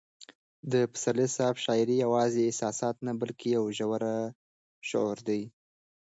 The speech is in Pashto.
د پسرلي صاحب شاعري یوازې احساسات نه بلکې یو ژور شعور دی.